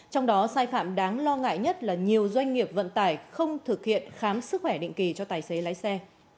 trong đó sai phạm đáng lo ngại nhất là nhiều doanh nghiệp vận tải không thực hiện khám sức khỏe định kỳ cho tài xế lái xe